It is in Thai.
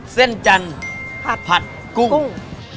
เส้นจันทร์ผัดกุ้ง